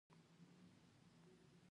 جانداد د ټولو احترام ترلاسه کوي.